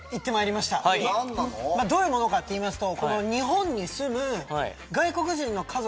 どういうものかっていいますと。